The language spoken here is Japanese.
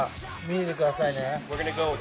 見ててくださいね。